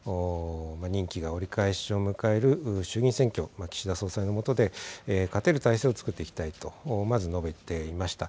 任期が折り返しを迎える衆議院選挙、岸田総裁のもとで勝てる態勢を作っていきたいと、まず述べていました。